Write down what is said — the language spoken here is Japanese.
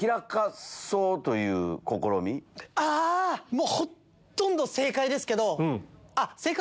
もうほとんど正解ですけど。